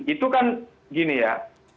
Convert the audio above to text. itu kan gini ya